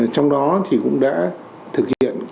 trong đó thì cũng đã thực hiện